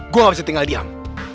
gue gak bisa tinggal diam